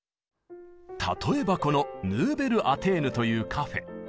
例えばこの「ヌーベル・アテーヌ」というカフェ。